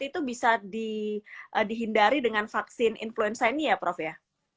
itu bisa dihindari dengan vaksin influenza ini ya prof ya